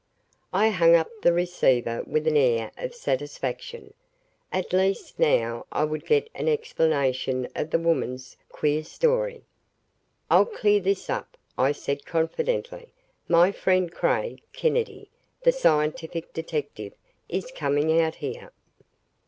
I hung up the receiver with an air of satisfaction. At least now I would get an explanation of the woman's queer story. "I'll clear this thing up," I said confidently. "My friend, Craig Kennedy, the scientific detective is coming out here."